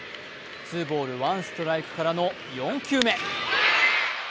ツーボール・ワンストライクからの４球目。